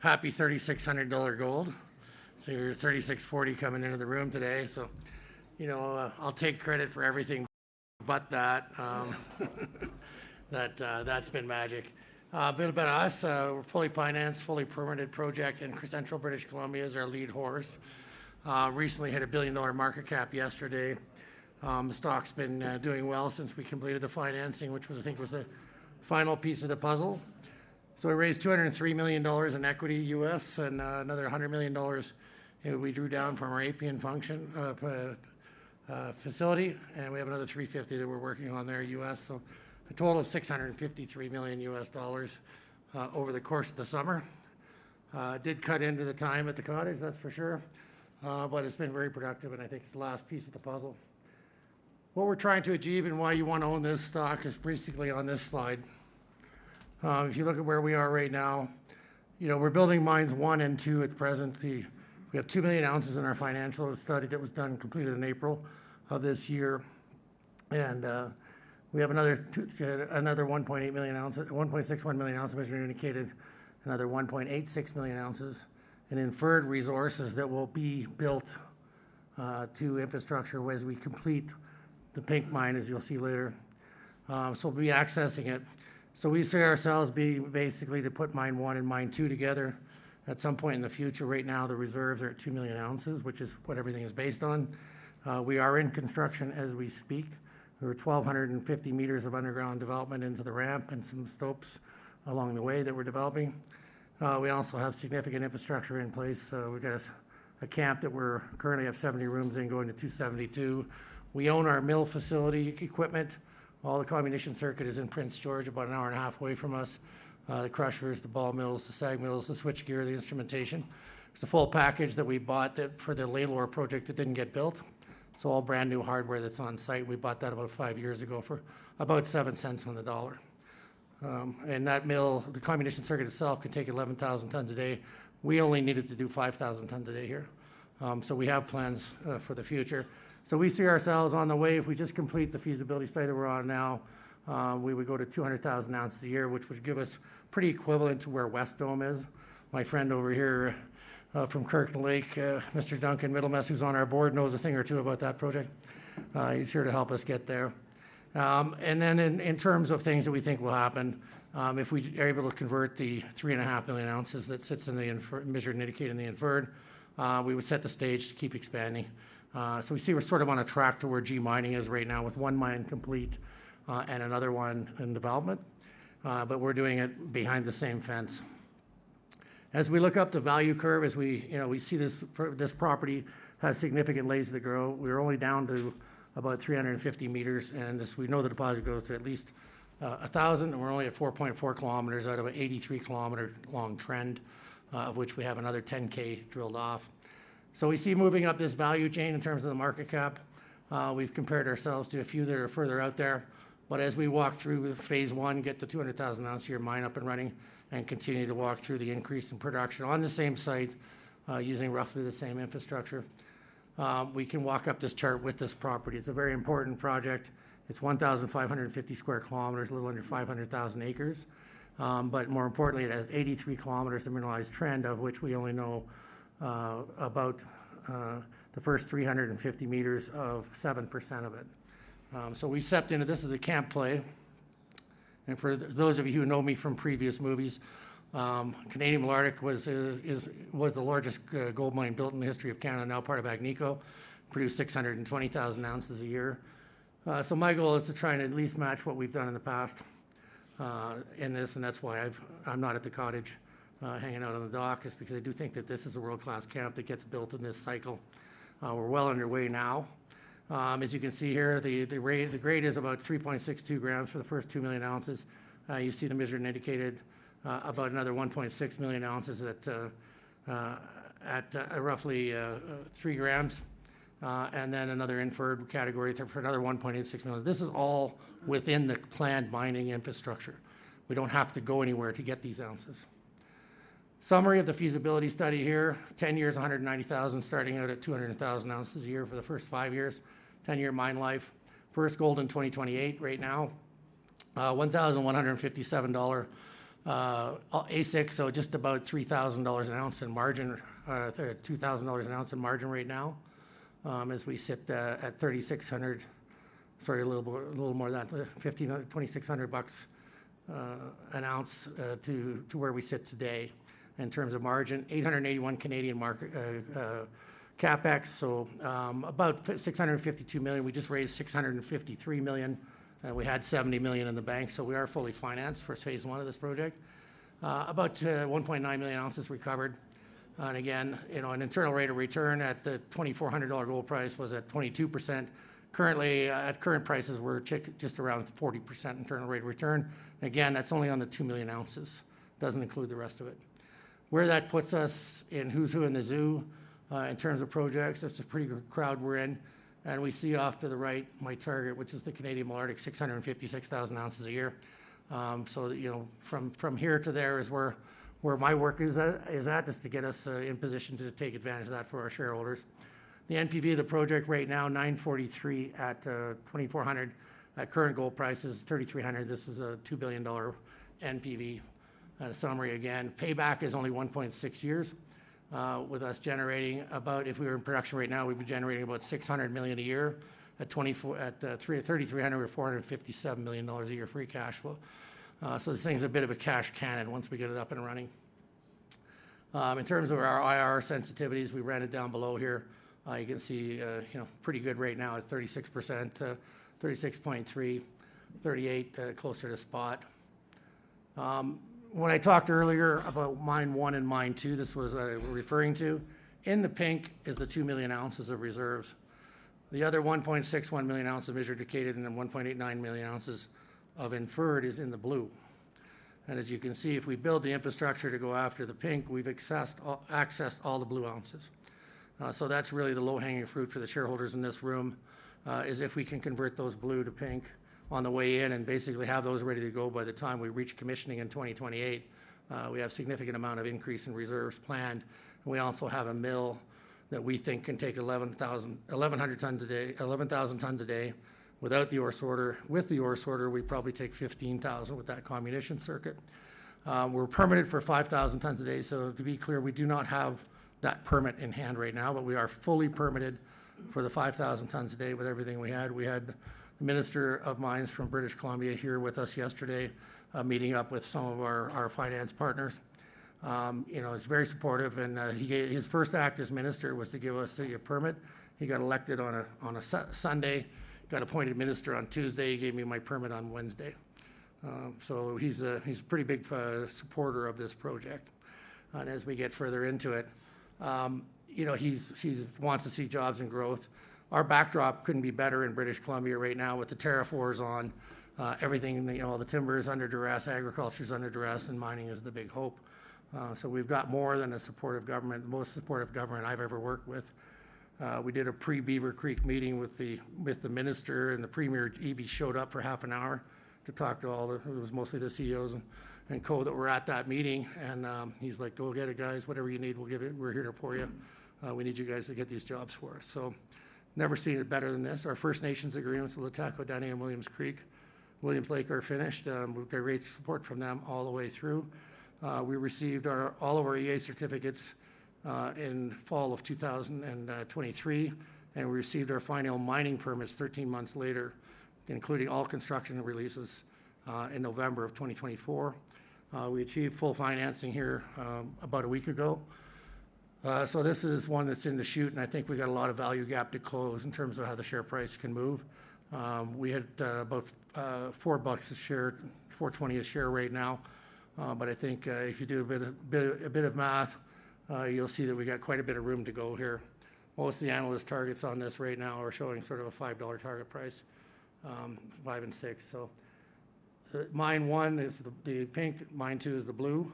Happy $3,600 gold. So you're $3,640 coming into the room today. So, you know, I'll take credit for everything but that. That's been magic. A bit about us. We're a fully financed, fully permitted project, and central British Columbia is our lead horse. Recently hit a $1 billion market cap yesterday. The stock's been doing well since we completed the financing, which was, I think, the final piece of the puzzle. So we raised $203 million in equity and another $100 million we drew down from our syndicated facility. And we have another $350 million that we're working on there. So a total of $653 million over the course of the summer. Did cut into the time at the cottage, that's for sure. But it's been very productive, and I think it's the last piece of the puzzle. What we're trying to achieve and why you want to own this stock is basically on this slide. If you look at where we are right now, you know, we're building mines one and two at present. We have two million ounces in our financial study that was completed in April of this year, and we have another 1.61 million ounces measured and indicated, another 1.86 million ounces, and inferred resources that will be built to infrastructure as we complete the Cow Mine, as you'll see later, so we'll be accessing it, so we see ourselves being basically to put mine one and mine two together at some point in the future. Right now, the reserves are at two million ounces, which is what everything is based on. We are in construction as we speak. There are 1,250 meters of underground development into the ramp and some stopes along the way that we're developing. We also have significant infrastructure in place. So we've got a camp that we're currently have 70 rooms in going to 272. We own our mill facility equipment. All the comminution circuit is in Prince George, about an hour and a half away from us. The crushers, the ball mills, the SAG mills, the switch gear, the instrumentation. It's a full package that we bought for the Lalor project that didn't get built. It's all brand new hardware that's on site. We bought that about five years ago for about $0.07 on the dollar. And that mill, the comminution circuit itself, can take 11,000 tons a day. We only needed to do 5,000 tons a day here. So we have plans for the future. We see ourselves on the way. If we just complete the feasibility study that we're on now, we would go to 200,000 ounces a year, which would give us pretty equivalent to where Wesdome is. My friend over here from Kirkland Lake, Mr. Duncan Middlemiss, who's on our board, knows a thing or two about that project. He's here to help us get there. Then in terms of things that we think will happen, if we are able to convert the 3.5 million ounces that sits in the measured and indicated in the inferred, we would set the stage to keep expanding. We see we're sort of on a track to where G Mining is right now with one mine complete and another one in development. But we're doing it behind the same fence. As we look up the value curve, as we see this property has significant ways to grow. We're only down to about 350 meters, and we're only at 4.4 km out of an 83 km long trend, of which we have another 10 km drilled off, so we see moving up this value chain in terms of the market cap. We've compared ourselves to a few that are further out there. But as we walk through with phase one, get the 200,000 ounce year mine up and running and continue to walk through the increase in production on the same site using roughly the same infrastructure. We can walk up this chart with this property. It's a very important project. It's 1,550 sq km, a little under 500,000 acres. But more importantly, it has 83 km of mineralized trend, of which we only know about the first 350 meters of 7% of it. So we stepped into this as a camp play. And for those of you who know me from previous moves, Canadian Malartic was the largest gold mine built in the history of Canada, now part of Agnico. Produced 620,000 ounces a year. So my goal is to try and at least match what we've done in the past in this. And that's why I'm not at the cottage hanging out on the dock, is because I do think that this is a world-class camp that gets built in this cycle. We're well underway now. As you can see here, the grade is about 3.62 grams for the first 2 million ounces. You see the measured and indicated about another 1.6 million ounces at roughly 3 grams. And then another inferred category for another 1.86 million. This is all within the planned mining infrastructure. We don't have to go anywhere to get these ounces. Summary of the feasibility study here. 10 years, 190,000, starting out at 200,000 ounces a year for the first five years. 10-year mine life. First gold in 2028 right now. $1,157 AISC, so just about $3,000 an ounce in margin. $2,000 an ounce in margin right now as we sit at $3,600. Sorry, a little more than that. $2,600 an ounce to where we sit today in terms of margin. 881 million CapEx. So about $652 million. We just raised $653 million. And we had $70 million in the bank. So we are fully financed for phase one of this project. About 1.9 million ounces recovered. Again, you know, an internal rate of return at the $2,400 gold price was at 22%. Currently, at current prices, we're just around 40% internal rate of return. And again, that's only on the 2 million ounces. Doesn't include the rest of it. Where that puts us and who's who in the zoo in terms of projects, that's a pretty good crowd we're in. And we see off to the right my target, which is the Canadian Malartic, 656,000 ounces a year. So from here to there is where my work is at, is to get us in position to take advantage of that for our shareholders. The NPV of the project right now, $943 at $2,400 at current gold price is $3,300. This is a $2 billion NPV. Summary again, payback is only 1.6 years with us generating about, if we were in production right now, we'd be generating about $600 million a year. At $3,300, we're $457 million a year free cash flow. So this thing's a bit of a cash cannon once we get it up and running. In terms of our IRR sensitivities, we ran it down below here. You can see pretty good right now at 36%, 36.3%, 38% closer to spot. When I talked earlier about mine one and mine two, this was referring to. In the pink is the two million ounces of reserves. The other 1.61 million ounces of measured and indicated and the 1.89 million ounces of inferred is in the blue. And as you can see, if we build the infrastructure to go after the pink, we've accessed all the blue ounces. That's really the low-hanging fruit for the shareholders in this room: if we can convert those blue to pink on the way in and basically have those ready to go by the time we reach commissioning in 2028. We have a significant amount of increase in reserves planned. We also have a mill that we think can take 11,000 tons a day without the ore sorter. With the ore sorter, we'd probably take 15,000 with that comminution circuit. We're permitted for 5,000 tons a day. To be clear, we do not have that permit in hand right now. We are fully permitted for the 5,000 tons a day with everything we had. We had the Minister of Mines from British Columbia here with us yesterday meeting up with some of our finance partners. You know, he's very supportive. His first act as Minister was to give us a permit. He got elected on a Sunday, got appointed Minister on Tuesday. He gave me my permit on Wednesday. So he's a pretty big supporter of this project. And as we get further into it, you know, he wants to see jobs and growth. Our backdrop couldn't be better in British Columbia right now with the tariff wars on. Everything, you know, all the timber is under duress. Agriculture is under duress. And mining is the big hope. So we've got more than a supportive government, the most supportive government I've ever worked with. We did a pre-Beaver Creek meeting with the Minister. And the Premier Eby showed up for half an hour to talk to all the, it was mostly the CEOs and Co that were at that meeting. And he's like, "Go get it, guys. Whatever you need, we'll give it. We're here for you. We need you guys to get these jobs for us." So never seen it better than this. Our First Nations agreements with the Lhtako Dené Nation and Williams Creek, Williams Lake are finished. We've got great support from them all the way through. We received all of our EA certificates in fall of 2023. And we received our final mining permits 13 months later, including all construction releases in November of 2024. We achieved full financing here about a week ago. So this is one that's in the chute. And I think we've got a lot of value gap to close in terms of how the share price can move. We had about $4 a share, $4.20 a share right now. But I think if you do a bit of math, you'll see that we've got quite a bit of room to go here. Most of the analyst targets on this right now are showing sort of a $5 target price, $5 and $6. So mine one is the pink, mine two is the blue.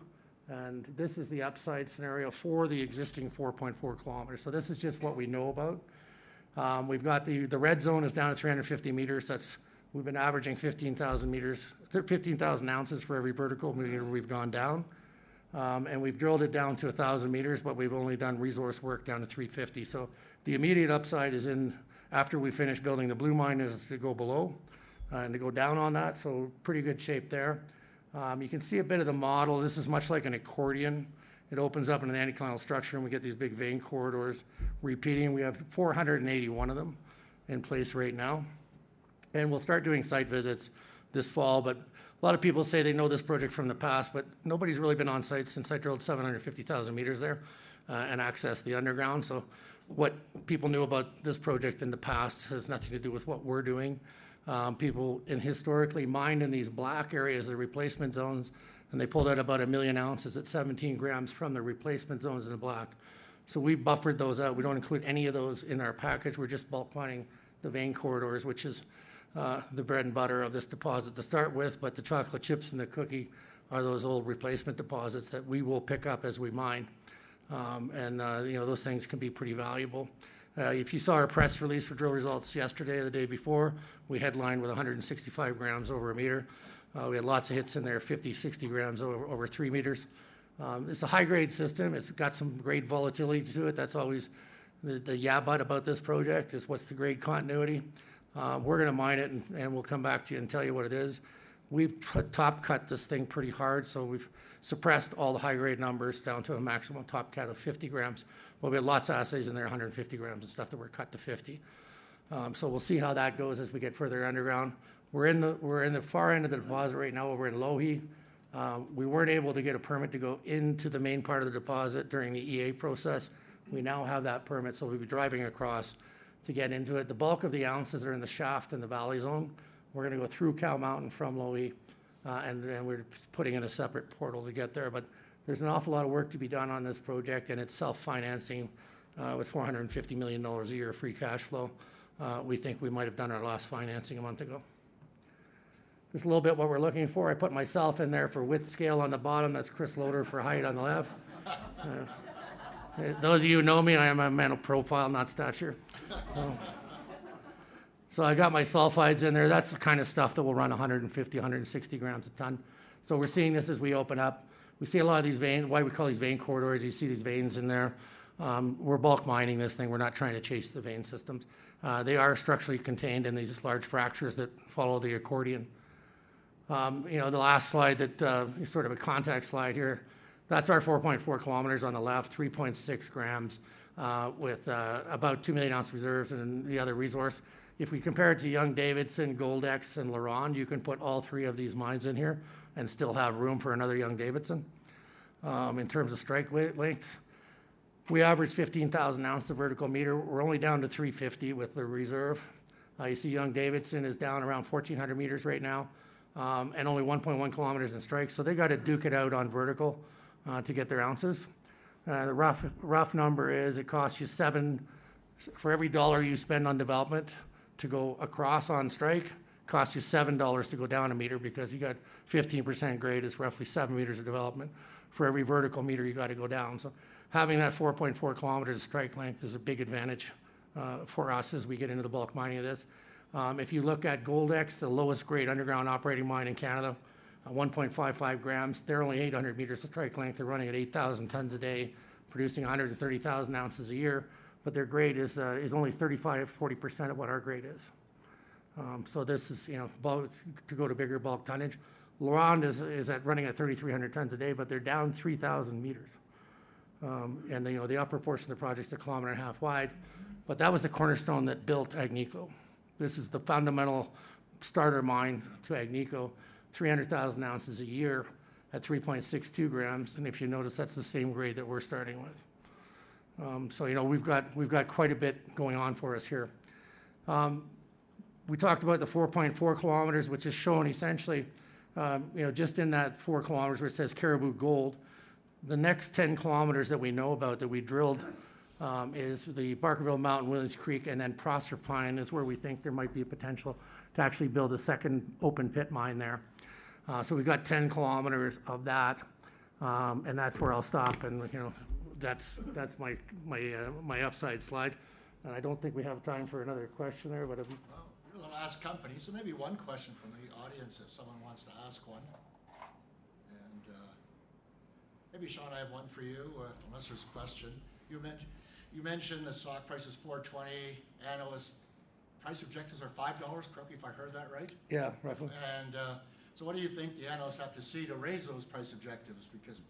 And this is the upside scenario for the existing 4.4 km. So this is just what we know about. We've got the red zone is down at 350 meters. That's. We've been averaging 15,000 meters, 15,000 ounces for every vertical meter we've gone down. And we've drilled it down to 1,000 meters. But we've only done resource work down to 350. So the immediate upside is in after we finish building the blue mine is to go below and to go down on that. So pretty good shape there. You can see a bit of the model. This is much like an accordion. It opens up in an anticlinal structure, and we get these big vein corridors repeating. We have 481 of them in place right now, and we'll start doing site visits this fall, but a lot of people say they know this project from the past, but nobody's really been on site since I drilled 750,000 meters there and accessed the underground, so what people knew about this project in the past has nothing to do with what we're doing. People historically mined in these black areas, the replacement zones, and they pulled out about a million ounces at 17 grams from the replacement zones in the black, so we buffered those out, we don't include any of those in our package. We're just bulk mining the vein corridors, which is the bread and butter of this deposit to start with. But the chocolate chips and the cookie are those old replacement deposits that we will pick up as we mine. And you know, those things can be pretty valuable. If you saw our press release for drill results yesterday or the day before, we headlined with 165 grams over a meter. We had lots of hits in there, 50, 60 grams over three meters. It's a high-grade system. It's got some great volatility to it. That's always the rub about this project is what's the grade continuity. We're going to mine it. And we'll come back to you and tell you what it is. We've top cut this thing pretty hard. So we've suppressed all the high-grade numbers down to a maximum top cut of 50 grams. But we had lots of assays in there, 150 grams of stuff that were cut to 50. So we'll see how that goes as we get further underground. We're in the far end of the deposit right now. We're in Lowhee. We weren't able to get a permit to go into the main part of the deposit during the EA process. We now have that permit. So we'll be driving across to get into it. The bulk of the ounces are in the Shaft in the Valley Zone. We're going to go through Cow Mountain from Lowhee. And we're putting in a separate portal to get there. But there's an awful lot of work to be done on this project. And it's self-financing with 450 million dollars a year of free cash flow. We think we might have done our last financing a month ago. This is a little bit what we're looking for. I put myself in there for width scale on the bottom. That's Chris Lodder for height on the left. Those of you who know me, I'm a man of profile, not stature. So I got my sulfides in there. That's the kind of stuff that will run 150, 160 grams a ton. So we're seeing this as we open up. We see a lot of these veins. Why we call these vein corridors, you see these veins in there. We're bulk mining this thing. We're not trying to chase the vein systems. They are structurally contained in these large fractures that follow the anticlinal. You know, the last slide that is sort of a contact slide here, that's our 4.4 km on the left, 3.6 grams with about 2 million ounce reserves in the other resource. If we compare it to Young-Davidson, Goldex, and LaRonde, you can put all three of these mines in here and still have room for another Young-Davidson in terms of strike length. We averaged 15,000 ounce of vertical meter. We're only down to 350 with the reserve. You see Young-Davidson is down around 1,400 meters right now and only 1.1 km in strike. So they've got to duke it out on vertical to get their ounces. The rough number is it costs you 7 for every dollar you spend on development to go across on strike, costs you $7 to go down a meter because you got 15% grade is roughly 7 meters of development for every vertical meter you've got to go down. So having that 4.4 km of strike length is a big advantage for us as we get into the bulk mining of this. If you look at Goldex, the lowest grade underground operating mine in Canada, 1.55 grams, they're only 800 meters of strike length. They're running at 8,000 tons a day, producing 130,000 ounces a year, but their grade is only 35%-40% of what our grade is. So this is, you know, to go to bigger bulk tonnage. LaRonde is running at 3,300 tons a day, but they're down 3,000 meters, and you know, the upper portion of the project is a 1.5 km wide, but that was the cornerstone that built Agnico. This is the fundamental starter mine to Agnico, 300,000 ounces a year at 3.62 grams, and if you notice, that's the same grade that we're starting with, so you know, we've got quite a bit going on for us here. We talked about the 4.4 km, which has shown essentially, you know, just in that 4 km where it says Cariboo Gold, the next 10 km that we know about that we drilled is the Barkerville Mountain, Williams Creek, and then Proserpine Mountain is where we think there might be a potential to actually build a second open pit mine there. So we've got 10 km of that. And that's where I'll stop. And you know, that's my upside slide. And I don't think we have time for another question there. But. You're the last company. Maybe one question from the audience if someone wants to ask one. Maybe, Sean, I have one for you unless there's a question. You mentioned the stock price is $4.20. Analyst price objectives are $5, roughly, if I heard that right. Yeah, roughly. What do you think the analysts have to see to raise those price objectives? Because.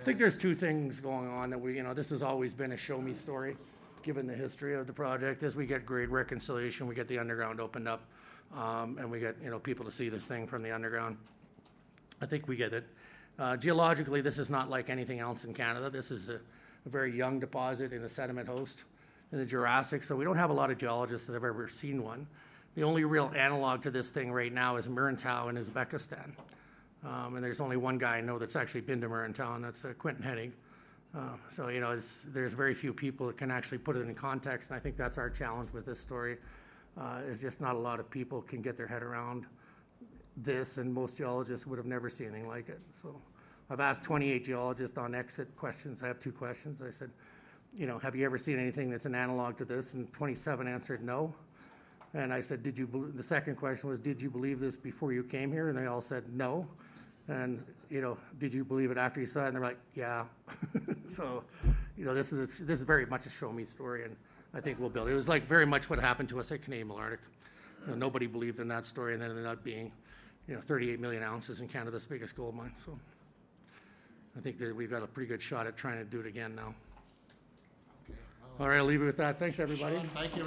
I think there's two things going on that we, you know, this has always been a show me story given the history of the project. As we get grade reconciliation, we get the underground opened up, and we get, you know, people to see this thing from the underground. I think we get it. Geologically, this is not like anything else in Canada. This is a very young deposit in the sediment host in the Jurassic. So we don't have a lot of geologists that have ever seen one. The only real analog to this thing right now is Muruntau in Uzbekistan, and there's only one guy I know that's actually been to Muruntau. That's Quinton Hennigh. So you know, there's very few people that can actually put it in context. I think that's our challenge with this story. It is just not a lot of people can get their head around this. Most geologists would have never seen anything like it. So I've asked 28 geologists on exit questions. I have two questions. I said, you know, have you ever seen anything that's an analog to this? And 27 answered no. And I said, did you, the second question was, did you believe this before you came here? And they all said no. And you know, did you believe it after you saw it? And they're like, yeah. So you know, this is very much a show me story. And I think we'll build. It was like very much what happened to us at Canadian Malartic. You know, nobody believed in that story. And then it ended up being, you know, 38 million ounces in Canada, this biggest gold mine. So I think that we've got a pretty good shot at trying to do it again now. Okay. All right. I'll leave you with that. Thanks, everybody. Thank you.